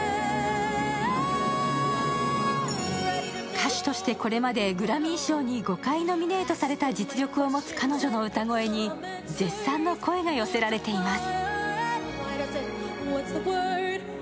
歌手として、これまでグラミー賞に５回ノミネートされた実力を持つ彼女の歌声に絶賛の声が寄せられています。